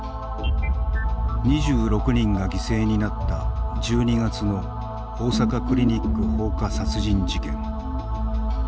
２６人が犠牲になった１２月の大阪クリニック放火殺人事件。